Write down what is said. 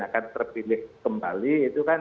akan terpilih kembali itu kan